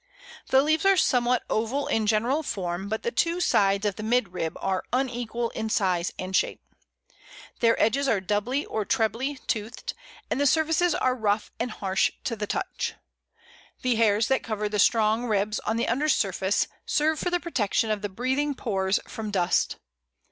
The leaves are somewhat oval in general form, but the two sides of the midrib are unequal in size and shape. Their edges are doubly or trebly toothed, and the surfaces are rough and harsh to the touch. The hairs that cover the strong ribs on the under surface serve for the protection of the breathing pores from dust.